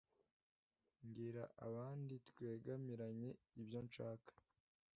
Mbwira abandi twegamiranye ibyo nshaka